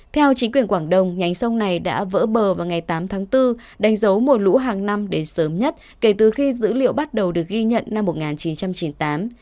theo chính quyền quảng đồng nhánh sông này đã vỡ bờ vào ngày tám tháng bốn đánh dấu mùa lũ hàng năm đến sớm nhất kể từ khi dữ liệu bắt đầu được ghi nhận năm một nghìn chín trăm chín mươi tám